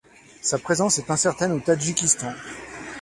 Sa présence est incertaine au Tadjikistan.